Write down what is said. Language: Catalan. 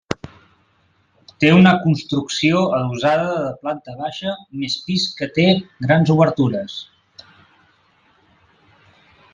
Té una construcció adossada de planta baixa més pis que té grans obertures.